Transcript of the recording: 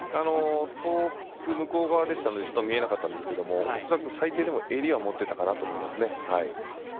遠く向こう側でしたので見えなかったんですけどおそらく最低でも襟は持っていたかなと思います。